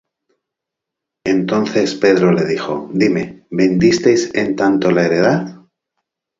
Entonces Pedro le dijo: Dime: ¿vendisteis en tanto la heredad?